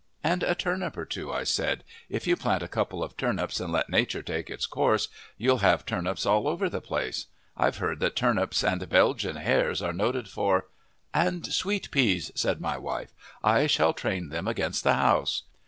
"And a turnip or two," I said. "If you plant a couple of turnips and let nature take its course, you'll have turnips all over the place. I've heard that turnips and belgian hares are noted for " "And sweet peas," said my wife, "I shall train them against the house."